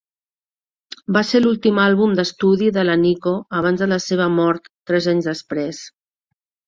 Va ser l'últim àlbum d'estudi de la Nico abans de la seva mort tres anys després.